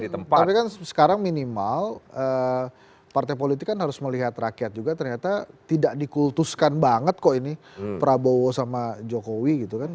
tapi kan sekarang minimal partai politik kan harus melihat rakyat juga ternyata tidak dikultuskan banget kok ini prabowo sama jokowi gitu kan